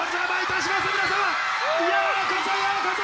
ようこそようこそ！